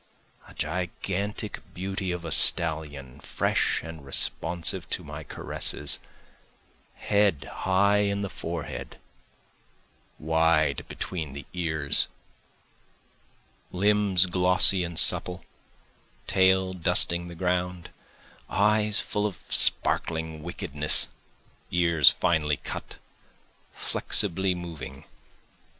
A gigantic beauty of a stallion, fresh and responsive to my caresses, Head high in the forehead, wide between the ears, Limbs glossy and supple, tail dusting the ground, Eyes full of sparkling wickedness, ears finely cut, flexibly moving.